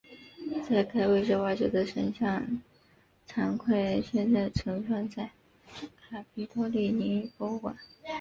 在该位置挖掘的神像残块现在存放在卡皮托利尼博物馆。